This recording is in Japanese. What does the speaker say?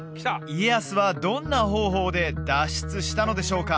家康はどんな方法で脱出したのでしょうか？